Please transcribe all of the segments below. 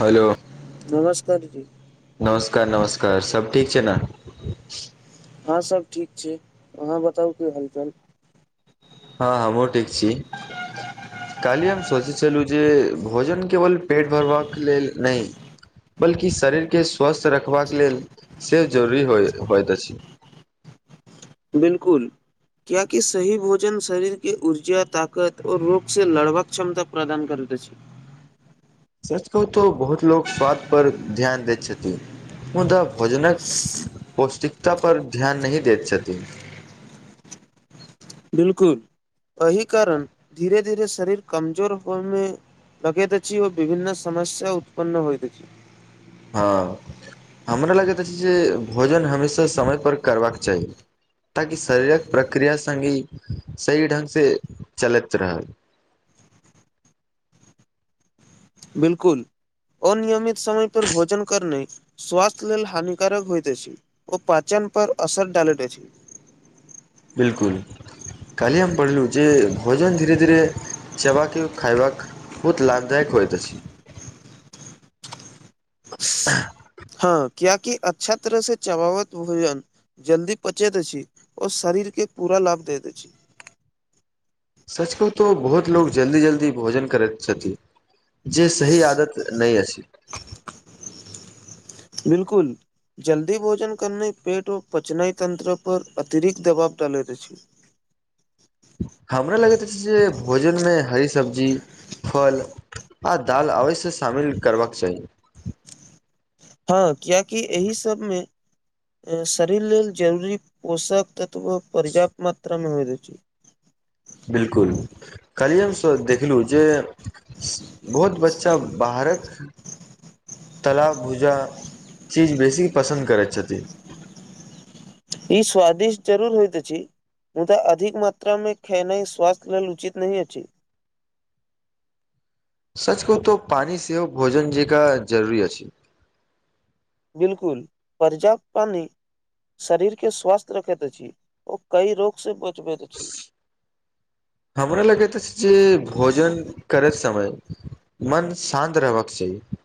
Hello नमस्कार दीदी नमस्कार नमस्कार सब ठीक छै न हँं सब ठीक छै अहाँ बताउ कि हालचाल हँ हमहुँ ठीक छी काल्हि हम सोचै छलु जे भोजन केवल पेट भरबाक लेल नहि बल्कि शरीर के स्वस्थ रखबाक लेल से जरुरी होय होइत अछि। बिल्कुल। क्येकि सही भोजन शरीर के ऊर्जा ताकत आओर रोग से लड़बाक क्षमता पर प्रदान करैत अछि। सच कहु तो बहुत लोग स्वाद पर ध्यान दैत छथिन। मुदा भोजनक पौष्टिकता पर ध्यान नहि दैत छथिन बिल्कुल एहि कारण धीरे धीरे शरीर कमजोर होइमे लगेत अछि ओ विभन्न समस्या उत्पन्न होइत अछि हँ हमरा लगैत अछि जे भोजन हमेशा समयपर करबाक चाही ताकि शरीरक प्रक्रिया संगी सही ढंग से चलैत रहल बिल्कुल अनियमित समय पर भोजन करनाइ स्वास्थ्य लेल हानिकारक होइत अछि। ओ पाचन पर असर डालैत अछि। बिल्कुल। काल्हि हम पढ़लु जे भोजन धीरे धीरे चबाक के खायबाक बहुत लाभदायक होइत अछि। [inaudible] हँ कियेकी अच्छा तरह से चबावत भोजन जल्दी पचेत अछि ओ शरीर के पूरा लाभ देत अछि। सच कहु तो बहुत लोग जल्दी जल्दी भोजन करैत छथिन। जे सही आदत नय अछि। बिल्कुल। जल्दी भोजन करनाइ पेटओ पचनाय तंत्र पर अतिरिक्त दबाव डालेत अछि। हमरा लगैत अछि जे। भोजनमे हरी सब्जी फल आ दाल आवश्य शामिल करबाक चाही। हँ कियैकि एहि सबमे शरीर लेल जरूरी पोषक तत्व पर्याप्त मात्रा मे होइत अछि। बिल्कुल। कल्हि हमसभ देखलु जे बहुत बच्चा बाहरक तला भुजा चीज बेसी पसन्द करैत छथि। ई स्वादिष्ट जरूर होइत अछि। मुदा अधिक मात्रा मे खेनाइ स्वास्थ्य लेल उचित नहि अछि। सच कहू तो पानी सेहो भोजन जकाँ जरूरी अछि। बिल्कुल पर्याप्त पानी शरीर के स्वस्थ रखैत अछि। ओ कइ रोग से बचबैत अछि। हमरा लगैत अछि जे भोजन करैत समय मन शान्त रहबा कऽ चाही।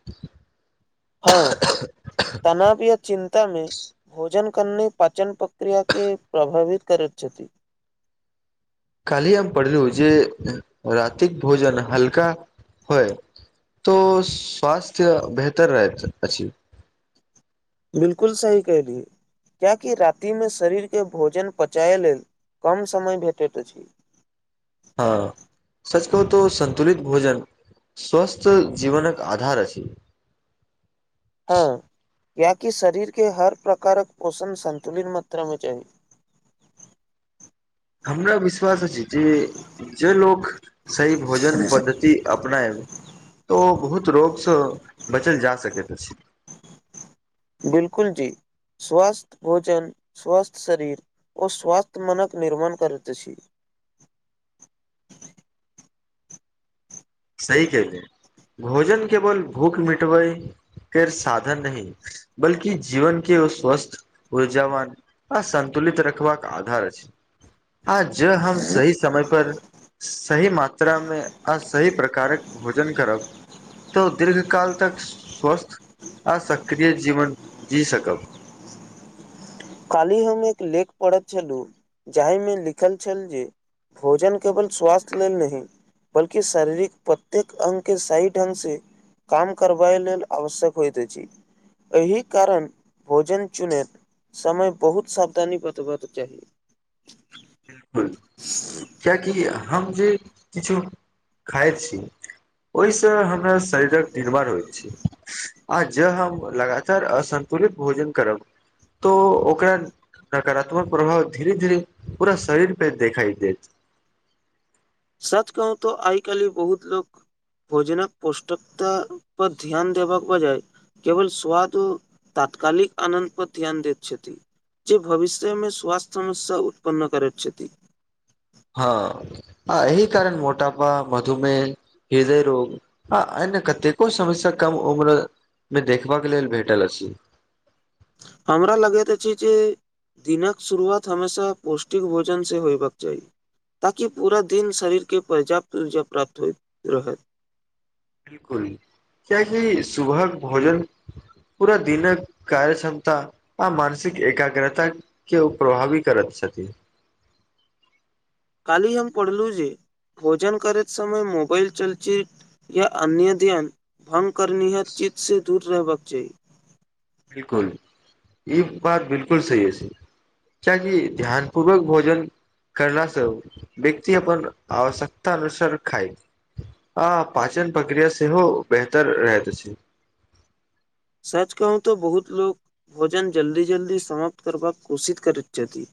हँ [inaudible] तनाव या चिन्ता में भोजन करने पाचन प्रक्रिया केँ प्रभावित करैत छथि। कल्हि हम पढ़लू जे राति कऽ भोजन हल्का होइ तो स्वास्थ्य बेहतर रहत अछि। बिल्कुल सही कहलि किया कि राति में शरीर केँ भोजन पचाए लेल कम समय भेटैत अछी हँ सच कहू तो संन्तुलित भोजन स्वस्थ जीवनक आधार अछि। हँ कियाकी शरीर केँ हर प्रकारक पोषण संन्तुलित मात्रा में चाही। हमरा विश्वास अछि जे जे लोक सही भोजन पद्धति अपनायब तऽ ओ बहुत रोग स बचल जा सकैत अछि। बिल्कुल जी। स्वस्थ भोजन स्वस्थ शरीर ओ स्वस्थ मनक निर्माण करैत अछी सही कहले भोजन केवल भूख मिटबै केर साधन नहीं बल्कि जीवन केँ ओ स्वस्थ ऊर्जाावन आ सन्तुलित रखबाक आधार अछि आ ज हम सही समय पर सही मात्रा में अस सही प्रकारक भोजन करब तऽ दीर्घ काल तक स्वस्थ आ सक्रिय जीवन जी सकब। कालही हम एक लेख पड़ैत छलु जाहिमे लिखल छल जे भोजन केवल स्वास्थ्य लेल नही बल्कि शारीरिक प्रत्येक अंग केँ सही ढंग से काम करबै लेल आवश्यक होइत छी [inaudible] एहि कारण भोजन चुनैत समय बहुत सावधानी [unintelligible] चाही [inaudible] कियकि हम जे किछ खाइ छी ओइ स हम शरीर कऽ दिनभार होइ छै आ ज हम लगातार असन्तुलित भोजन करब तो ओकरा नकारात्मक प्रभाव धीरे धीरे पूरा शरीर पे देखाई देत सच कहू तो आइ कल्हि बहुत लोक भोजना कऽ पोष्टकता पर ध्यान देब कऽ बजाए केवल स्वादो तात्कालिक आनन्द पर ध्यान दैत छथि जे भविष्य में स्वास्थ्य समस्या उत्पन्न करैत छथि हँ आ एहि कारण मोटापा मधुमेह हृदय रोग आ अन्य कतेको समस्या कम उम्र में देखबा केँ लेल भेटल अछि हमरा लगैत अछि जे दिन कऽ शुरुआत हमेशा पौष्टिक भोजन से होयबाक चाही ताकि पूरा दिन शरीर केँ पर्याप्त ऊर्जा प्राप्त होइत रहय बिल्कुल किया की सुबह कऽ भोजन पूरा दिन कार्य क्षमता आ मानसिक एकाग्रता केँ ओ प्रभावी करत छथि काल्ही हम पढ़लु जे भोजन करैत समय मोबाइल चलचित या अन्य ध्यान भंग करनिहत चीज से दूर रहबाक चाही बिल्कुल ई बात बिल्कुल सही अछी कीय की ध्यानपूर्वक भोजन करला स व्यक्त अपन आवश्यकता अनुसार खाय आ पाचन प्रक्रिया सेहो बेहतर रहैत अछी सच कहू तऽ बहुत लोक भोजन जल्दी जल्दी समाप्त करबाक कोशिस करैत छथि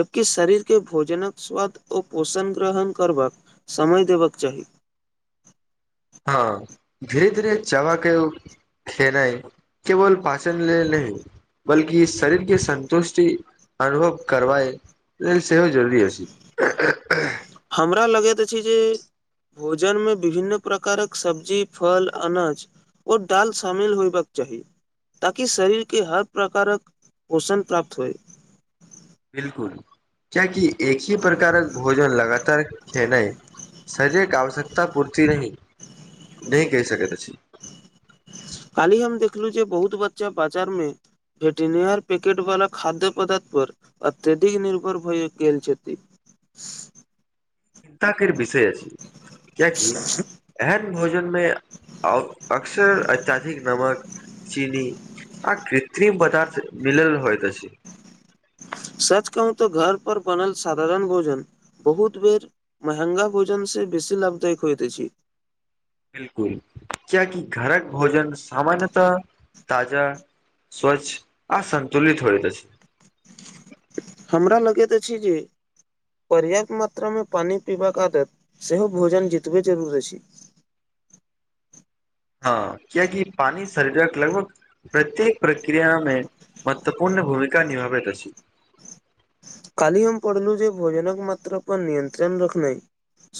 जबकि शरीर केँ भोजनक स्वाद ओ पोषण ग्रहण करबाक समय देब कऽ चाही हँ धीरे धीरे चबाकै उऽ खेनै केवल पाचन लेल बल्कि शरीर केँ संन्तुष्टि अनुभव करबए लेल सेहो जरूरी अछी हमरा लगैत अछि जे भोजन में विभिन्न प्रकारक सब्जी फल अनाज ओ दाल शामिल होयबाक चाही ताकि शरीर केँ हर प्रकार कऽ पोषण प्राप्त होए बिल्कुल किया की एक ही प्रकार कऽ भोजन लगातार खेनै शरीर केँ आवश्यकता पूरती नही नै कई सकैत अछि काल्ही हम देखलु जे बहुत बच्चा बाजार में भेटनियर पैकेट वाला खाद्य पदार्थ पर अत्यधिक निर्भर भइ गेल छथि [inaudible] चिंता कैर विषय अछि [inaudible] कीए कि एहन भोजन में औ अक्सर अत्याधिक नमक चिनी आ कृत्रिम पदार्थ मिलल होइत अछि सच कहूँ तऽ घर पर बनल साधारण भोजन बहुत बेर महेंगा भोजन से बेसी लाभदाय कऽ होइत अछि बिल्कुल कियाकी घर कऽ भोजन सामान्यतः ताजा स्वच्छ आ सन्तुलित होइत अछि हमरा लगैत अछि जे पर्याप्त मात्रा में पानी पीबाक आदत सेहो भोजन जितबे जरुर अछि हँ कियाकि पानी शरीर कऽ लगभग प्रत्येक प्रक्रिया में महत्वपूर्ण भूमिका निभाबैत अछि काल्ही हम पढ़लूँ जे भोजन कऽ मात्रा पर नियन्त्रण रखनै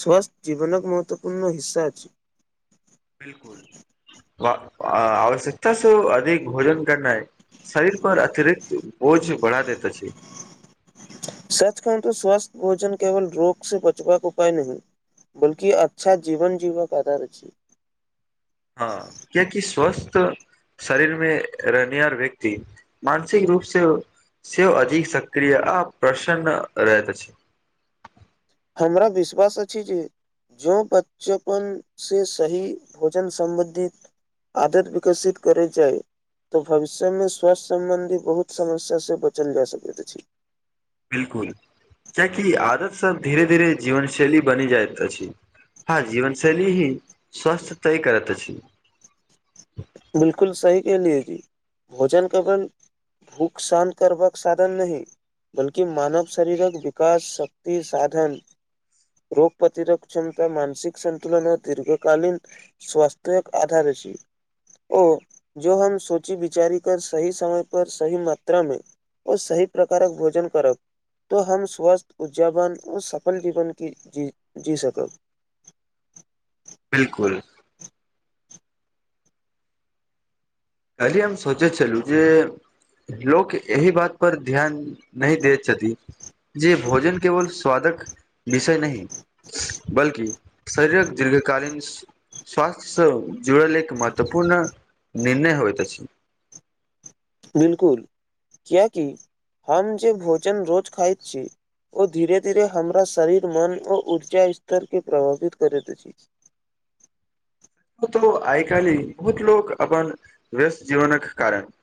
स्वास्थ्य जीवन कऽ महत्वपूर्ण हिस्सा अछी बिल्कुल [unintelligible] आवश्यकता स अधिक भोजन करनै शरीर पर अतिरिक्त बोझ बढ़ा देत छै सच कहूं तो स्वस्थ भोजन केवल रोग से बचबाक उपाय नहीं बल्कि अच्छा जीवन जीवक आधार अछि हँ कियकि स्वास्त शरीर में रहनियार व्यक्ति मानसिक रूप से सेहो अधिक सक्रिय आ प्रसन्न रहत अछि हमरा विश्वास अछि जे जो बचपन से सही भोजन सम्बन्धि आदत विकसित करै जाइ तऽ भविष्य में स्वस्थ्य सम्बन्धी बहुत समस्या से बचल जा सकैत अछि बिल्कुल कियाकि आदत सब धीरे धीरे जीवन शैली बनि जाइत अछि हँ जीवनशैली ही स्वस्थ तय करत अछि बिल्कुल सही कहलिए जी भोजन केवल भूक शान करबाक साधन नहि बल्कि मानव शरीरक विकास शक्ति साधन रोग प्रतिरक्षन मानसिक सन्तुलन आ दीर्घकालीन स्वास्थ्यक आधा ॠषि ओ जो हम सोची विचारी कऽ सही समय पर सही मात्रामे ओ सही प्रकारक भोजन करब तो हम स्वस्थ ऊर्जावन ओ सफल जीवन की जी-जी सकब बिल्कुल कालिह हम सोचे छलू जे लोक एहि बात पर ध्यान नहि देहि छथि जे भोजन केवल स्वादक विषय नहि बल्कि शरीरक दीर्घकालीन स्वास्थ स जुड़ल एक महत्वपूर्ण निर्णय होयत अछि बिल्कुल कियाकि हम जे भोजन रोज खाय छी ओ धीरे धीरे हमरा शरीर मन ओर ऊर्जा स्तरके प्रभावित करैत अछि ओतबो आइ कालहि बहुत लोक अपन व्यस्त जीवनक कारण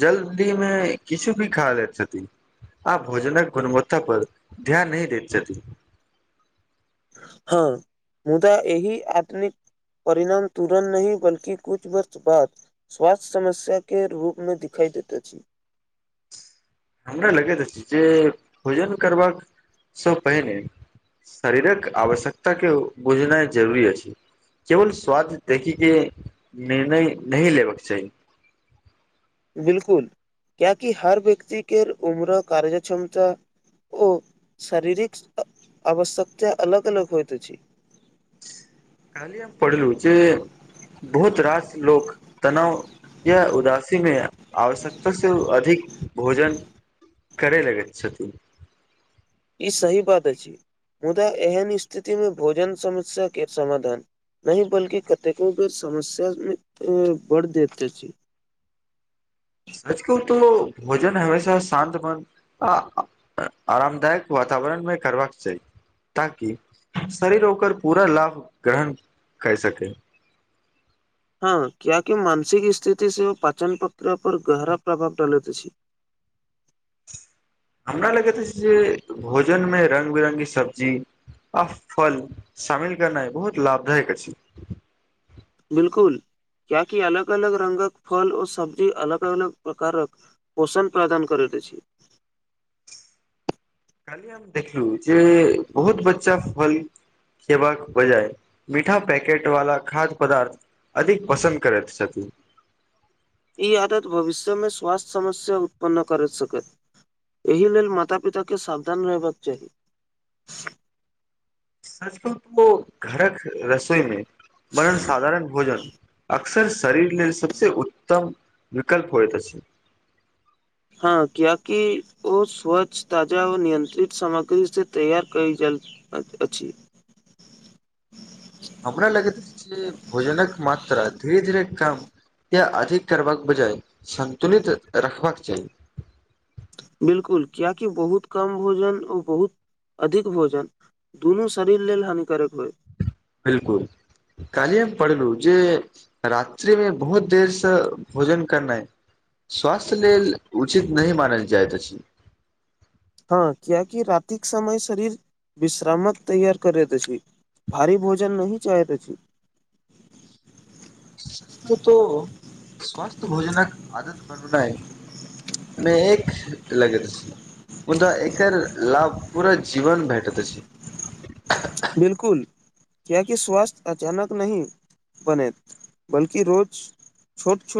जल्दीमे किछु भी खा लैत छथिन आ भोजनक गुणवत्ता पर ध्यान नहि दैत छथि हाँ मुदा एहि आत्विक परिणाम तुरन् नहि बल्कि कुछ वक्त बाद स्वास्थ्य समस्या के रूपमे दिखाई देत अछि हमरा लगैत अति जे भोजन करबासँ पहिने शरीरक आवश्यकता के बुझनाइ जरूरी अछि केवल स्वाद देखीके निर्णय नहि लेबऽके चाही बिल्कुल क्याकि हर व्यक्ति के उमर कार्य क्षमता ओ शरीरिक आवश्यकता अलग अलग होइत अछि काल्हि हम पढ़लू जे बहुत रास लोक तनाव या उदासीमे आवश्यकता से अधिक भोजन करै लगैत छथि इ सही बात अछि मुदा एहन स्थितिमे भोजन समस्याके समाधान नहि बल्कि कतेको समस्यामे बढ़ देते अछि सच कहु तो भोजन हमेशा शान्त मन आ ऐ-ए-आरामदायक वातावरण मे करबाक चाही ताकि शरीर ओकर पूरा लाभ ग्रहण कय सकै हाँ क्याकि मानसिक स्थिति से ओ पाचनतंत्र पर गहरा प्रभाव डालैत अछि हमरा लगैत अछि जे भोजनमे रंग बिरंगी सब्जी आ फल शामिल करनाय बहुत लाभदायक अछि बिल्कुल क्याकी अलग -अलग रंगक फल आओर सब्जी अलग -अलग प्रकारक पोषण प्रदान करैत अछि काल्हि हम देखलु जे बहुत बच्चा फल खेबाक बजाय मीठा पैकेट वाला खाद्य पदार्थ अधिक पंसन्द करैत छथिन इ आदत भविष्यमे स्वास्थ्य समस्या उत्पन्न करै सकत एहि लेल माता -पिता के सावधान रहबाक चाही सचकहु तो घरक रसोइ मे बड़ा साधारण भोजन अक्सर शरीर लेल सब से उत्तम विकल्प होइत अछि। हँ कियेकी ओ स्वच्छ ताजा व नियंत्रित सामग्री से तैयार कइ जल अछ अछि हमारा लगैत अछि जे भोजनक मात्रा धीरे -धीरे कम या अधिक करबाक बजाय संन्तुलित रखबाक चाही। बिल्कुल कियेकी बहुत कम भोजन ओ बहुत अधिक भोजन दुनू शरीर लेल हानिकारक होय बिल्कुल काल्ही हम पढ़लु जे रात्रि मे बहुत देर से भोजन करनाय स्वास्थ्य लेल उचित नहि मानल जाइत अछि हँ कियेकि रात्रिक समय शरीर विश्रामक तैयार करैत अछि भारी भोजन नहि चाहैत अछि। सच कहु तो स्वास्थ भोजनक आदत बनोनाय मे एक लगेत अछि मुदा एकर लाभ पूरा जीवन भेटत अछि। बिल्कुल कियेकि स्वास्थ्य अचानक नही बनेत बल्कि रोज छोट छोट